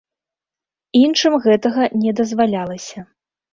Іншым гэтага не дазвалялася.